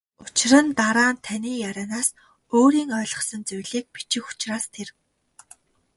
Учир нь дараа нь таны ярианаас өөрийн ойлгосон зүйлийг бичих учраас тэр.